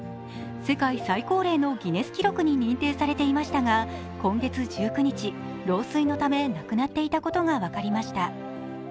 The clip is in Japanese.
世界最高齢のギネス記録に認定されていましたが今月１９日、老衰のため亡くなっていたことが分かりました。